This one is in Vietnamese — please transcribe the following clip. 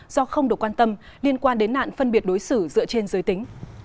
do không được quan tâm liên quan đến nạn phân biệt đối xử dựa trên giới tính